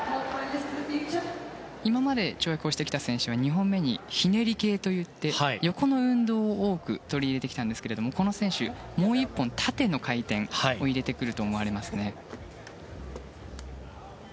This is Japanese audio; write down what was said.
今まで跳躍をしてきた選手は２本目にひねり系といって、横の運動を多く取り入れてきたんですがこの選手、もう１本縦の回転を入れてくると思われます。